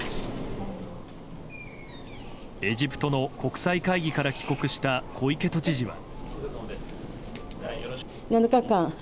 エジプトの国際会議から帰国した小池都知事は。